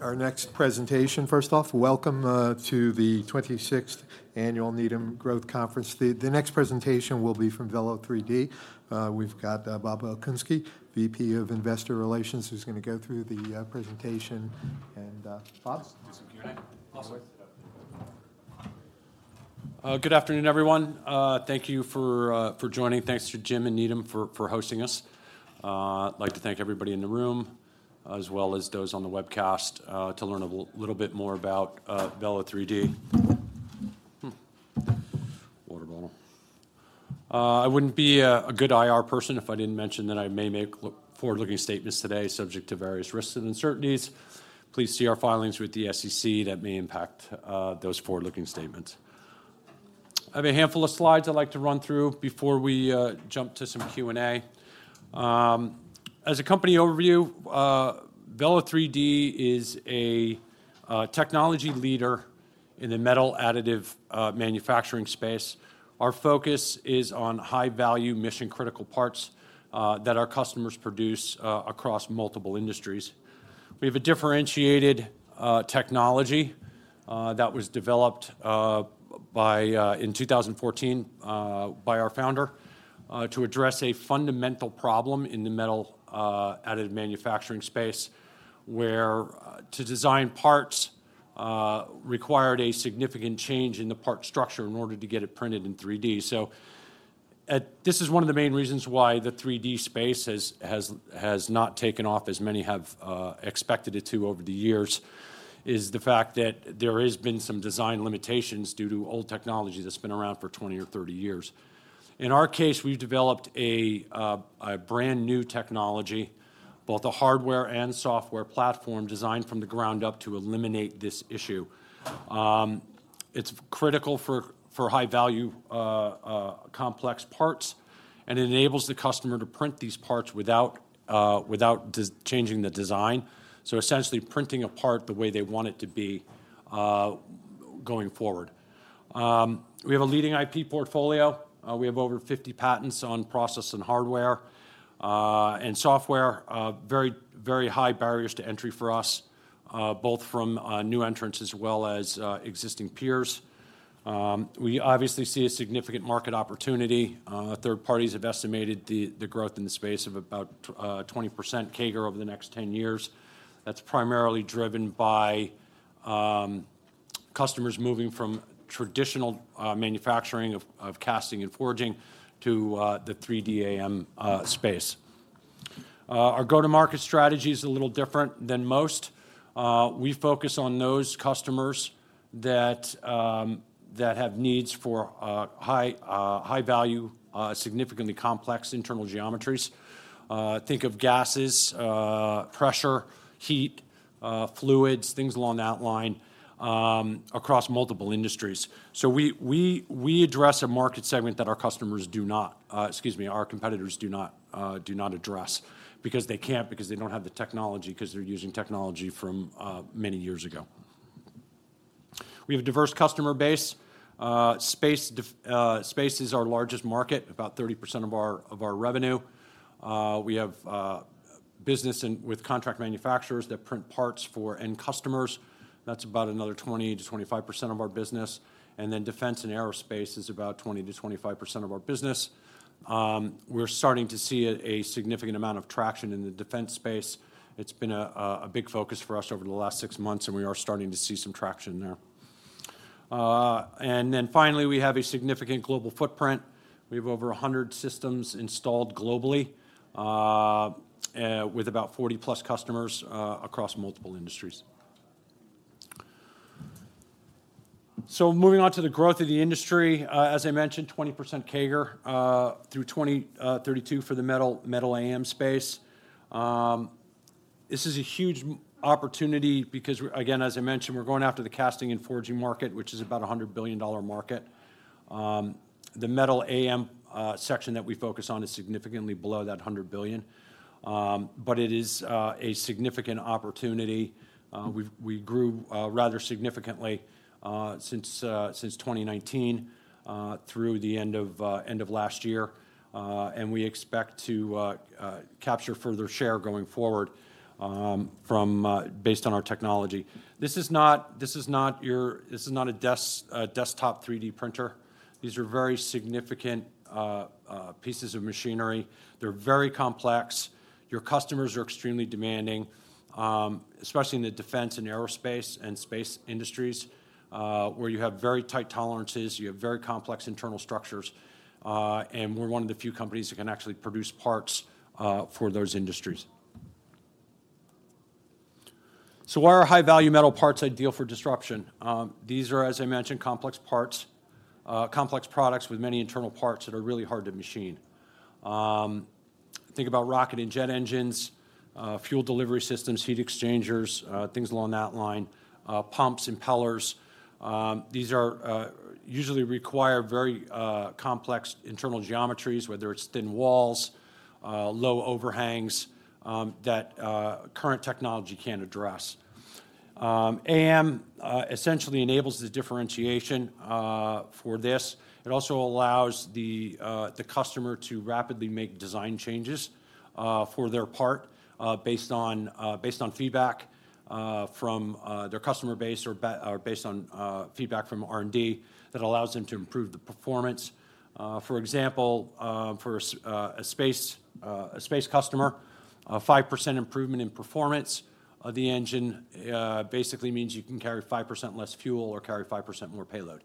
Our next presentation. First off, welcome to the 26th Annual Needham Growth Conference. The next presentation will be from Velo3D. We've got Bob Okunski, VP of Investor Relations, who's gonna go through the presentation. Bob? Okay, awesome. Good afternoon, everyone. Thank you for joining. Thanks to Jim and Needham for hosting us. I'd like to thank everybody in the room, as well as those on the webcast, to learn a little bit more about Velo3D. Water bottle. I wouldn't be a good IR person if I didn't mention that I may make forward-looking statements today, subject to various risks and uncertainties. Please see our filings with the SEC that may impact those forward-looking statements. I have a handful of slides I'd like to run through before we jump to some Q&A. As a company overview, Velo3D is a technology leader in the metal additive manufacturing space. Our focus is on high-value, mission-critical parts that our customers produce across multiple industries. We have a differentiated technology that was developed in 2014 by our founder to address a fundamental problem in the metal additive manufacturing space, where to design parts required a significant change in the part structure in order to get it printed in 3D. This is one of the main reasons why the 3D space has not taken off as many have expected it to over the years, is the fact that there has been some design limitations due to old technology that's been around for 20 or 30 years. In our case, we've developed a brand-new technology, both a hardware and software platform, designed from the ground up to eliminate this issue. It's critical for high-value complex parts, and it enables the customer to print these parts without changing the design, so essentially printing a part the way they want it to be going forward. We have a leading IP portfolio. We have over 50 patents on process and hardware and software. Very, very high barriers to entry for us, both from new entrants as well as existing peers. We obviously see a significant market opportunity. Third parties have estimated the growth in the space of about 20% CAGR over the next 10 years. That's primarily driven by customers moving from traditional manufacturing of casting and forging to the 3D AM space. Our go-to-market strategy is a little different than most. We focus on those customers that have needs for high value, significantly complex internal geometries. Think of gases, pressure, heat, fluids, things along that line, across multiple industries. So we address a market segment that our customers do not... excuse me, our competitors do not address because they can't, because they don't have the technology, because they're using technology from many years ago. We have a diverse customer base. Space is our largest market, about 30% of our revenue. We have business with contract manufacturers that print parts for end customers. That's about another 20%-25% of our business, and then defense and aerospace is about 20%-25% of our business. We're starting to see a significant amount of traction in the defense space. It's been a big focus for us over the last six months, and we are starting to see some traction there. And then finally, we have a significant global footprint. We have over 100 systems installed globally, with about 40+ customers across multiple industries. So moving on to the growth of the industry, as I mentioned, 20% CAGR through 2032 for the metal AM space. This is a huge opportunity because we're again, as I mentioned, we're going after the casting and forging market, which is about a $100 billion market. The metal AM section that we focus on is significantly below that $100 billion, but it is a significant opportunity. We grew rather significantly since 2019 through the end of last year, and we expect to capture further share going forward based on our technology. This is not a desktop 3D printer. These are very significant pieces of machinery. They're very complex. Your customers are extremely demanding, especially in the defense and aerospace and space industries, where you have very tight tolerances, you have very complex internal structures, and we're one of the few companies that can actually produce parts for those industries. So why are high-value metal parts ideal for disruption? These are, as I mentioned, complex parts, complex products with many internal parts that are really hard to machine. Think about rocket and jet engines, fuel delivery systems, heat exchangers, things along that line, pumps, impellers. These usually require very complex internal geometries, whether it's thin walls, low overhangs, that current technology can't address. AM essentially enables the differentiation for this. It also allows the customer to rapidly make design changes for their part based on feedback from their customer base or based on feedback from R&D, that allows them to improve the performance. For example, for a space customer, a 5% improvement in performance of the engine basically means you can carry 5% less fuel or carry 5% more payload.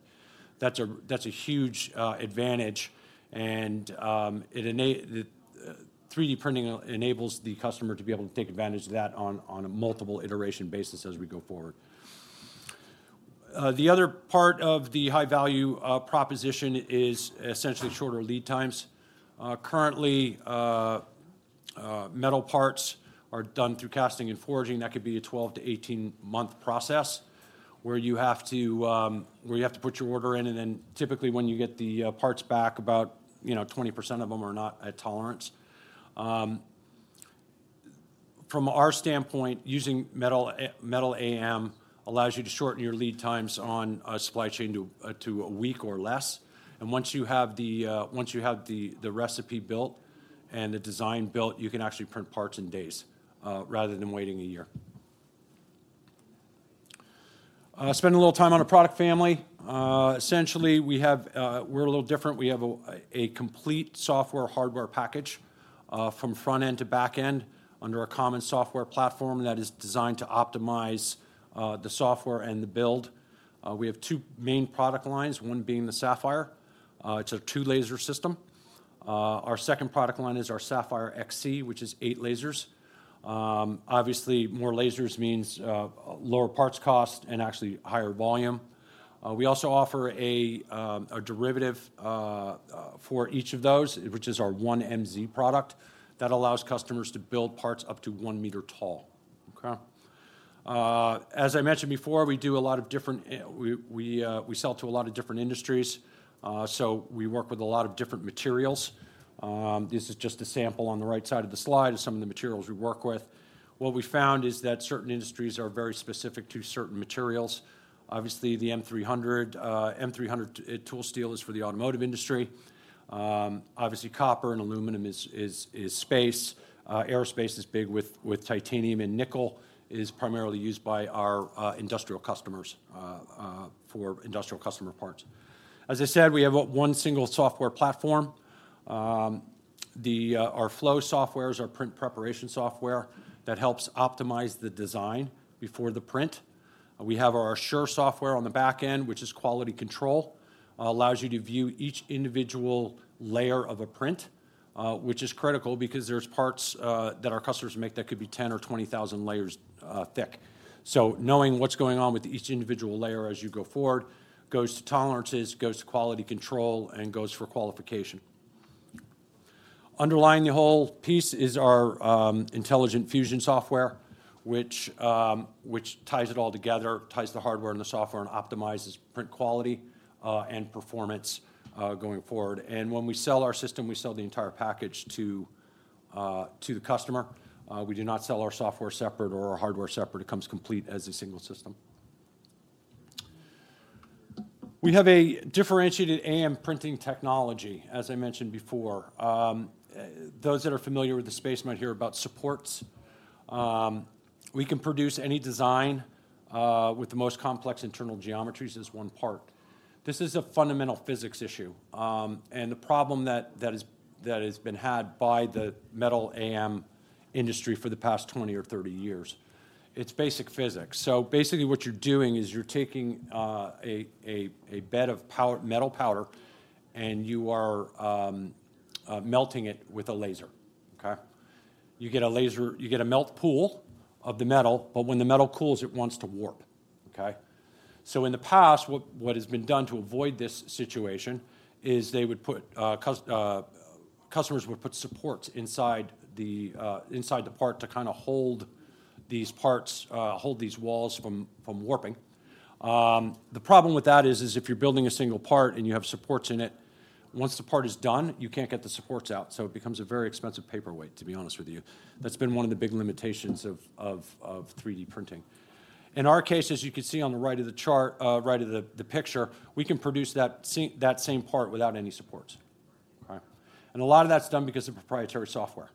That's a huge advantage, and 3D printing enables the customer to be able to take advantage of that on a multiple iteration basis as we go forward. The other part of the high-value proposition is essentially shorter lead times. Currently, metal parts are done through casting and forging. That could be a 12-18-month process, where you have to put your order in, and then typically, when you get the parts back, about, you know, 20% of them are not at tolerance. From our standpoint, using metal AM allows you to shorten your lead times on a supply chain to a week or less, and once you have the recipe built and the design built, you can actually print parts in days, rather than waiting a year. Spend a little time on our product family. Essentially, we're a little different. We have a complete software/hardware package, from front end to back end, under a common software platform that is designed to optimize the software and the build. We have two main product lines, one being the Sapphire. It's a 2-laser system. Our second product line is our Sapphire XC, which is eight lasers. Obviously, more lasers means lower parts cost and actually higher volume. We also offer a derivative for each of those, which is our 1MZ product. That allows customers to build parts up to one meter tall. Okay? As I mentioned before, we sell to a lot of different industries, so we work with a lot of different materials. This is just a sample on the right side of the slide of some of the materials we work with. What we found is that certain industries are very specific to certain materials. Obviously, the M300 tool steel is for the automotive industry. Obviously, copper and aluminum is space. Aerospace is big with titanium, and nickel is primarily used by our industrial customers for industrial customer parts. As I said, we have one single software platform. Our Flow software is our print preparation software that helps optimize the design before the print. We have our Assure software on the back end, which is quality control, allows you to view each individual layer of a print, which is critical because there's parts that our customers make that could be 10 or 20,000 layers thick. So knowing what's going on with each individual layer as you go forward, goes to tolerances, goes to quality control, and goes for qualification. Underlying the whole piece is our Intelligent Fusion software, which ties it all together, ties the hardware and the software, and optimizes print quality and performance going forward. And when we sell our system, we sell the entire package to the customer. We do not sell our software separate or our hardware separate. It comes complete as a single system. We have a differentiated AM printing technology, as I mentioned before. Those that are familiar with the space might hear about supports. We can produce any design with the most complex internal geometries as one part. This is a fundamental physics issue, and the problem that has been had by the metal AM industry for the past 20 or 30 years. It's basic physics. So basically, what you're doing is you're taking a bed of metal powder, and you are melting it with a laser, okay? You get a melt pool of the metal, but when the metal cools, it wants to warp, okay? So in the past, what has been done to avoid this situation is they would put customers would put supports inside the inside the part to kind of hold these parts hold these walls from warping. The problem with that is if you're building a single part and you have supports in it, once the part is done, you can't get the supports out, so it becomes a very expensive paperweight, to be honest with you. That's been one of the big limitations of 3D printing. In our case, as you can see on the right of the chart, right of the picture, we can produce that same part without any supports. All right? And a lot of that's done because of proprietary software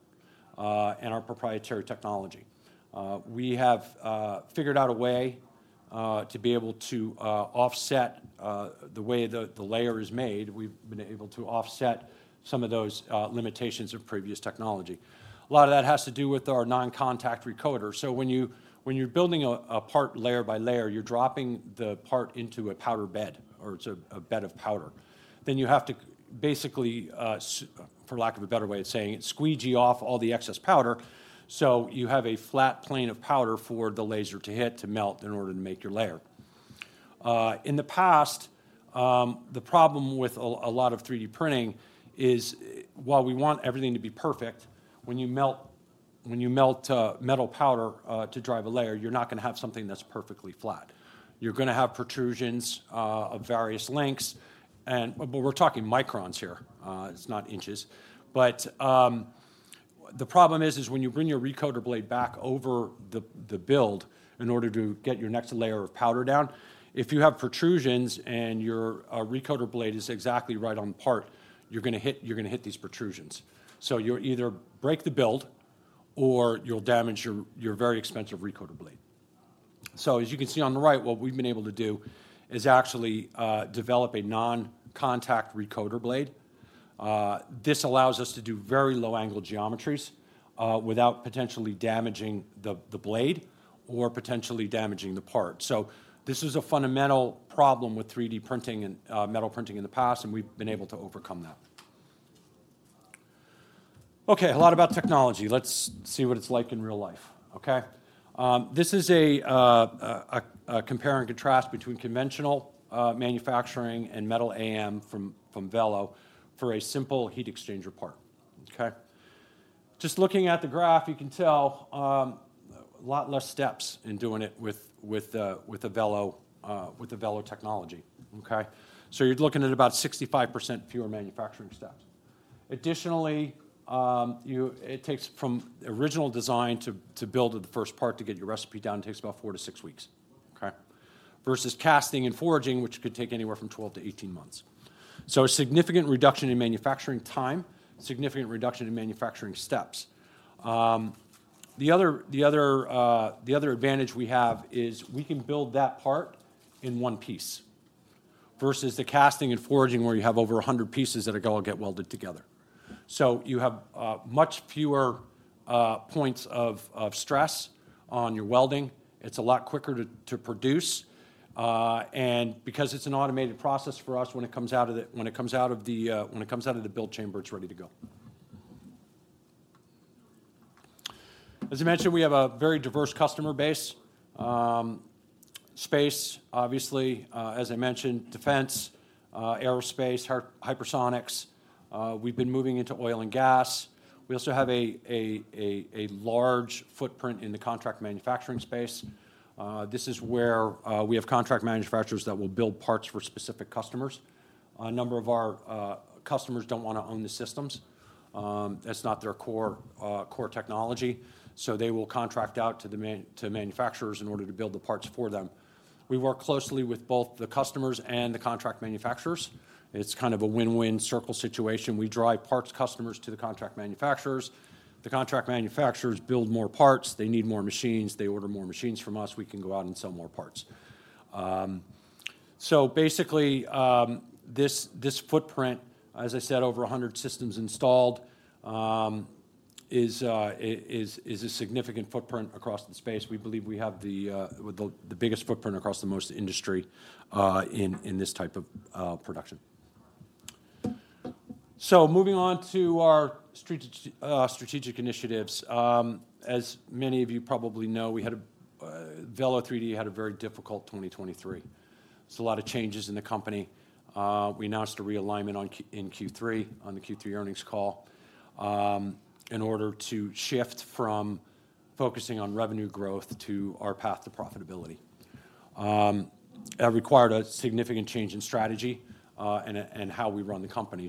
and our proprietary technology. We have figured out a way to be able to offset the way the layer is made. We've been able to offset some of those limitations of previous technology. A lot of that has to do with our non-contact recoater. So when you're building a part layer by layer, you're dropping the part into a powder bed, or it's a bed of powder. Then you have to basically for lack of a better way of saying it, squeegee off all the excess powder, so you have a flat plane of powder for the laser to hit to melt in order to make your layer. In the past, the problem with a lot of 3D printing is, while we want everything to be perfect, when you melt metal powder to drive a layer, you're not gonna have something that's perfectly flat. You're gonna have protrusions of various lengths, and. But we're talking microns here, it's not inches. But, the problem is when you bring your recoater blade back over the build in order to get your next layer of powder down, if you have protrusions and your recoater blade is exactly right on the part, you're gonna hit these protrusions. So you'll either break the build, or you'll damage your very expensive recoater blade. So as you can see on the right, what we've been able to do is actually develop a non-contact recoater blade. This allows us to do very low angle geometries without potentially damaging the blade or potentially damaging the part. So this is a fundamental problem with 3D printing and metal printing in the past, and we've been able to overcome that. Okay, a lot about technology. Let's see what it's like in real life, okay? This is a compare and contrast between conventional manufacturing and metal AM from Velo for a simple heat exchanger part. Okay? Just looking at the graph, you can tell a lot less steps in doing it with the Velo technology. Okay? So you're looking at about 65% fewer manufacturing steps. Additionally, it takes from original design to build the first part to get your recipe down, takes about 4-6 weeks, okay? Versus casting and forging, which could take anywhere from 12-18 months. So a significant reduction in manufacturing time, significant reduction in manufacturing steps. The other advantage we have is we can build that part in one piece, versus the casting and forging, where you have over 100 pieces that are gonna get welded together. So you have much fewer points of stress on your welding. It's a lot quicker to produce, and because it's an automated process for us, when it comes out of the build chamber, it's ready to go. As I mentioned, we have a very diverse customer base. Space, obviously, as I mentioned, defense, aerospace, hypersonics, we've been moving into oil and gas. We also have a large footprint in the contract manufacturing space. This is where we have contract manufacturers that will build parts for specific customers. A number of our customers don't wanna own the systems. That's not their core technology, so they will contract out to the manufacturers in order to build the parts for them. We work closely with both the customers and the contract manufacturers. It's kind of a win-win circle situation. We drive parts customers to the contract manufacturers. The contract manufacturers build more parts. They need more machines, they order more machines from us, we can go out and sell more parts. So basically, this footprint, as I said, over 100 systems installed, is a significant footprint across the space. We believe we have the biggest footprint across the most industry in this type of production. So moving on to our strategic initiatives. As many of you probably know, Velo3D had a very difficult 2023. There's a lot of changes in the company. We announced a realignment in Q3, on the Q3 earnings call, in order to shift from focusing on revenue growth to our path to profitability. That required a significant change in strategy and how we run the company.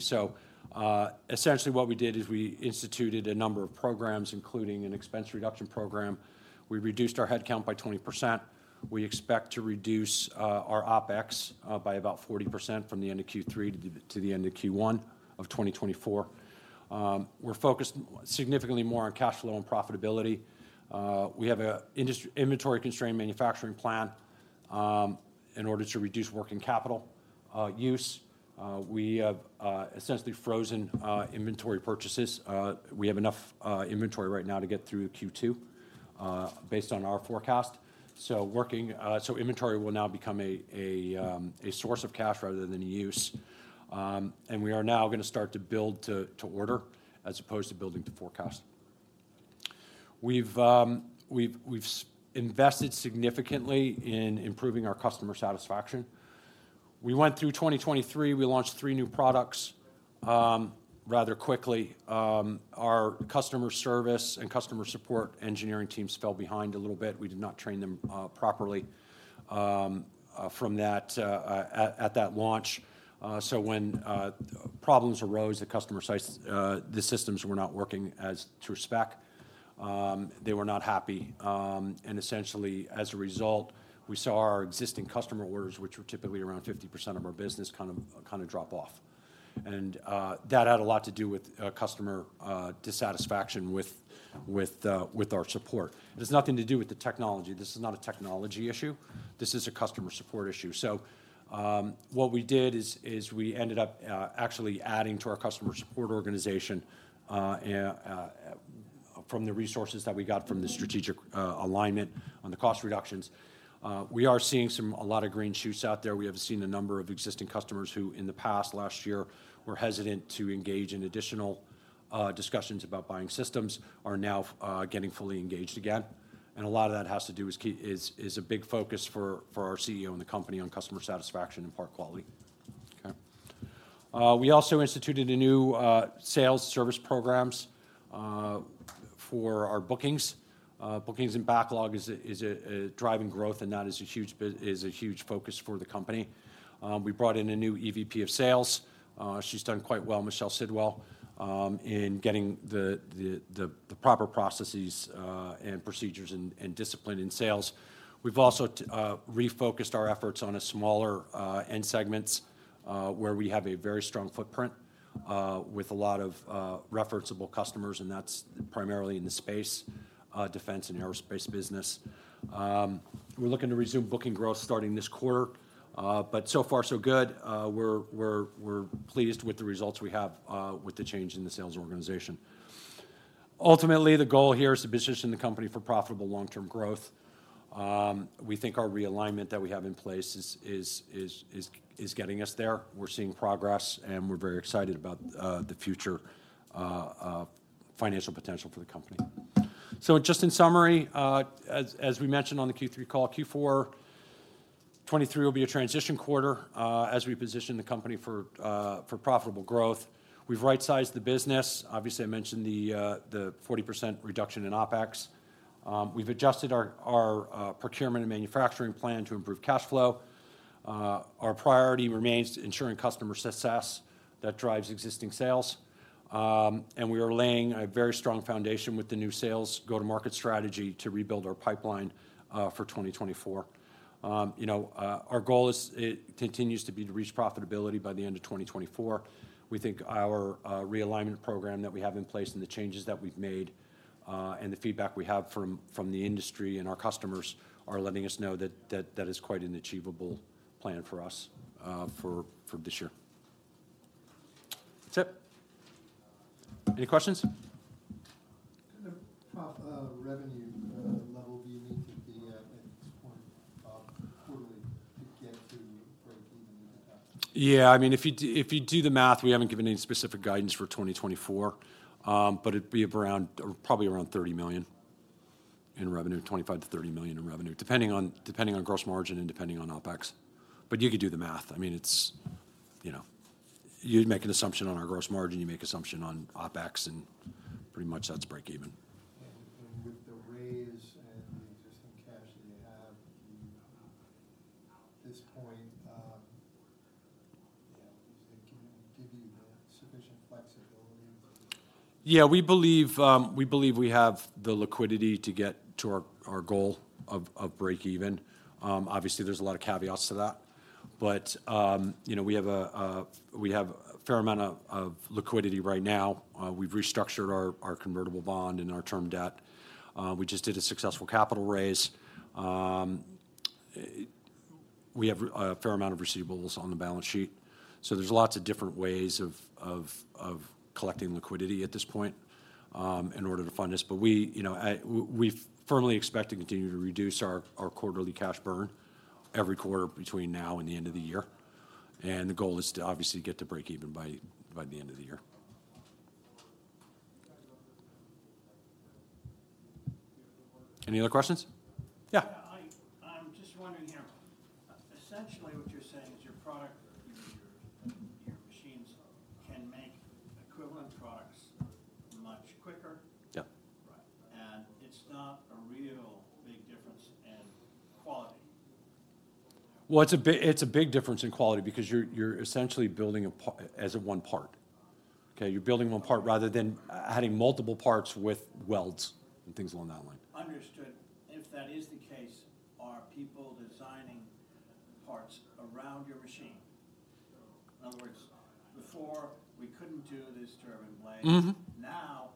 So essentially what we did is we instituted a number of programs, including an expense reduction program. We reduced our headcount by 20%. We expect to reduce our OpEx by about 40% from the end of Q3 to the end of Q1 of 2024. We're focused significantly more on cash flow and profitability. We have an inventory constraint manufacturing plan in order to reduce working capital use. We have essentially frozen inventory purchases. We have enough inventory right now to get through Q2 based on our forecast. So inventory will now become a source of cash rather than a use. And we are now gonna start to build to order, as opposed to building to forecast. We've invested significantly in improving our customer satisfaction. We went through 2023, we launched three new products rather quickly. Our customer service and customer support engineering teams fell behind a little bit. We did not train them properly from that at that launch. So when problems arose at customer sites, the systems were not working as to spec, they were not happy. And essentially as a result, we saw our existing customer orders, which were typically around 50% of our business, kind of drop off. And that had a lot to do with customer dissatisfaction with our support. It has nothing to do with the technology. This is not a technology issue. This is a customer support issue. So, what we did is we ended up actually adding to our customer support organization from the resources that we got from the strategic alignment on the cost reductions. We are seeing a lot of green shoots out there. We have seen a number of existing customers who, in the past, last year, were hesitant to engage in additional discussions about buying systems, are now getting fully engaged again. And a lot of that has to do with is a big focus for our CEO and the company on customer satisfaction and part quality. Okay. We also instituted a new sales service programs for our bookings. Bookings and backlog is a driving growth, and that is a huge focus for the company. We brought in a new EVP of sales. She's done quite well, Michelle Sidwell, in getting the proper processes and procedures and discipline in sales. We've also refocused our efforts on a smaller end segments where we have a very strong footprint with a lot of referenceable customers, and that's primarily in the space defense and aerospace business. We're looking to resume booking growth starting this quarter, but so far so good. We're pleased with the results we have with the change in the sales organization. Ultimately, the goal here is to position the company for profitable long-term growth. We think our realignment that we have in place is getting us there. We're seeing progress, and we're very excited about the future financial potential for the company. So just in summary, as we mentioned on the Q3 call, Q4 2023 will be a transition quarter as we position the company for profitable growth. We've right-sized the business. Obviously, I mentioned the 40% reduction in OpEx. We've adjusted our procurement and manufacturing plan to improve cash flow. Our priority remains ensuring customer success that drives existing sales. And we are laying a very strong foundation with the new sales go-to-market strategy to rebuild our pipeline for 2024. You know, our goal is, it continues to be to reach profitability by the end of 2024. We think our realignment program that we have in place and the changes that we've made, and the feedback we have from the industry and our customers are letting us know that that is quite an achievable plan for us, for this year. That's it. Any questions? Kind of top revenue level do you need to be at, at this point, quarterly, to get to break even in that? Yeah, I mean, if you do, if you do the math, we haven't given any specific guidance for 2024. But it'd be around or probably around $30 million in revenue, $25 million-$30 million in revenue, depending on, depending on gross margin and depending on OpEx. But you could do the math. I mean, it's, you know... You'd make an assumption on our gross margin, you make assumption on OpEx, and pretty much that's break even. With the raise and the existing cash that you have, do you, at this point, you know, do you think can give you the sufficient flexibility to- Yeah, we believe, we believe we have the liquidity to get to our goal of break even. Obviously, there's a lot of caveats to that, but, you know, we have a fair amount of liquidity right now. We've restructured our convertible bond and our term debt. We just did a successful capital raise. We have a fair amount of receivables on the balance sheet, so there's lots of different ways of collecting liquidity at this point, in order to fund this. But we, you know, we firmly expect to continue to reduce our quarterly cash burn every quarter between now and the end of the year, and the goal is to obviously get to break even by the end of the year. Any other questions? Yeah. Yeah, I'm just wondering here. Essentially, what you're saying is your product, your machines can make equivalent products much quicker? Yeah. Right. It's not a real big difference in quality. Well, it's a big difference in quality because you're essentially building a part as one part. Okay? You're building one part rather than having multiple parts with welds and things along that line. Understood. If that is the case, are people designing parts around your machine? So in other words, before we couldn't do this turbine blade... now,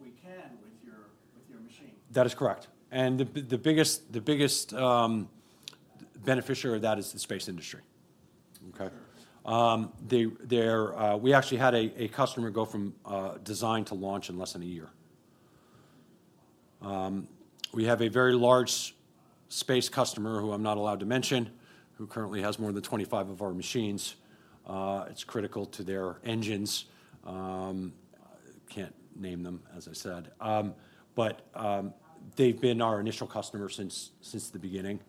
we can with your, with your machine. That is correct. And the biggest, the biggest, beneficiary of that is the space industry. Okay? Sure. We actually had a customer go from design to launch in less than a year. We have a very large space customer, who I'm not allowed to mention, who currently has more than 25 of our machines. It's critical to their engines. Can't name them, as I said. But they've been our initial customer since the beginning.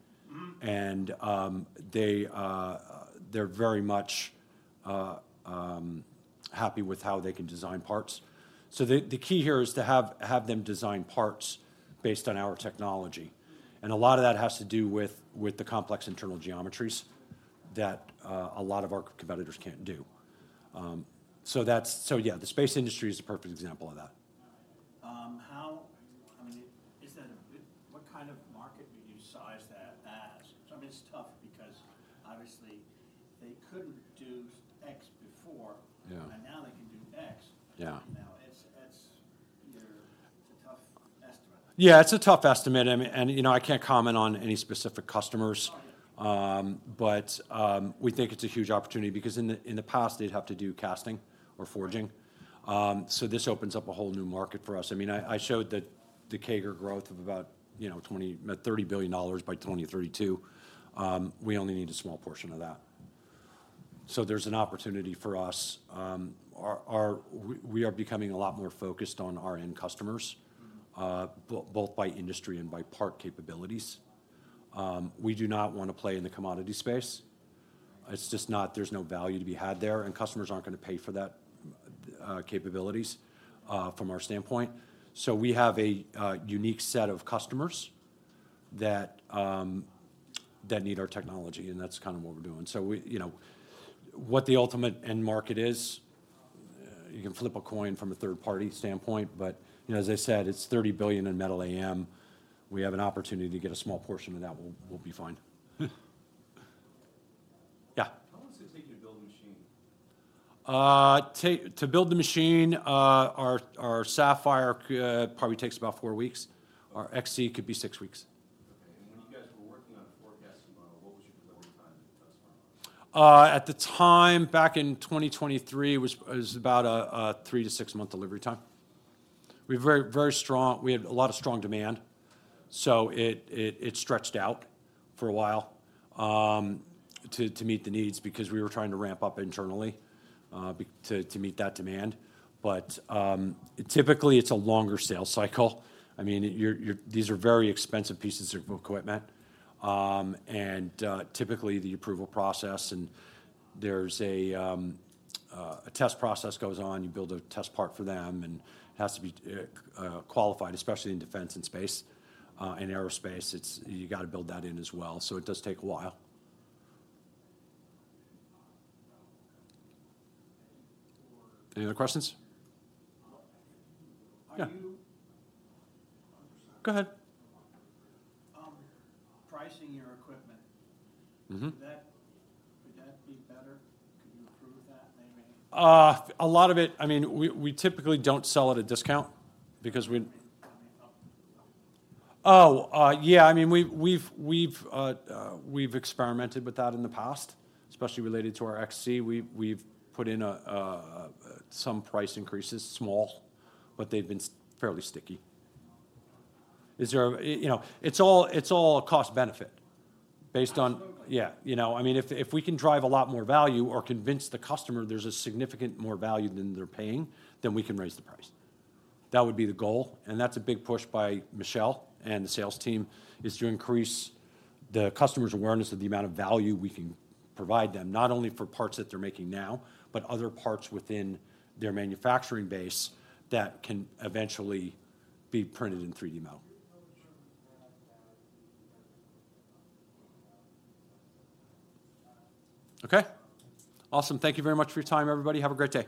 They’re very much happy with how they can design parts. So the key here is to have them design parts based on our technology, and a lot of that has to do with the complex internal geometries that a lot of our competitors can't do. So yeah, the space industry is a perfect example of that. How, I mean, is that a good... What kind of market would you size that as? I mean, it's tough because obviously they couldn't do X before- Yeah... and now they can do X. Yeah. Now, it's a tough estimate. Yeah, it's a tough estimate, and you know, I can't comment on any specific customers. But we think it's a huge opportunity because in the past, they'd have to do casting or forging. So this opens up a whole new market for us. I mean, I showed that the CAGR growth of about, you know, $20-$30 billion by 2032. We only need a small portion of that. So there's an opportunity for us. We are becoming a lot more focused on our end customers ... both by industry and by part capabilities. We do not wanna play in the commodity space. Right. It's just not, there's no value to be had there, and customers aren't gonna pay for that capabilities from our standpoint. So we have a unique set of customers that that need our technology, and that's kind of what we're doing. So we, you know, what the ultimate end market is you can flip a coin from a third-party standpoint, but, you know, as I said, it's $30 billion in metal AM. We have an opportunity to get a small portion of that, we'll, we'll be fine. Yeah? How long does it take you to build a machine? To build the machine, our Sapphire XC probably takes about four weeks. Our XC could be 6 weeks. Okay, and when you guys were working on a forecasting model, what was your delivery time to the customer? At the time, back in 2023, it was about a 3-6-month delivery time. We're very, very strong. We had a lot of strong demand, so it stretched out for a while to meet the needs because we were trying to ramp up internally to meet that demand. But typically, it's a longer sales cycle. I mean, these are very expensive pieces of equipment. And typically, the approval process, and there's a test process goes on. You build a test part for them, and it has to be qualified, especially in defense and space, and aerospace. It's you gotta build that in as well, so it does take a while. Okay, Any other questions? Are you- Yeah. Are you- Go ahead. Pricing your equipment- Mm-hmm. Could that be better? Could you improve that maybe? A lot of it, I mean, we typically don't sell at a discount because we- I mean, up. Up. Oh, yeah. I mean, we've experimented with that in the past, especially related to our XC. We've put in some price increases, small, but they've been fairly sticky. Okay. Is there a... you know, it's all a cost benefit based on- Absolutely. Yeah. You know, I mean, if, if we can drive a lot more value or convince the customer there's a significant more value than they're paying, then we can raise the price. That would be the goal, and that's a big push by Michelle and the sales team, is to increase the customers' awareness of the amount of value we can provide them, not only for parts that they're making now, but other parts within their manufacturing base that can eventually be printed in 3D metal. How do you determine that value? Okay. Awesome. Thank you very much for your time, everybody. Have a great day.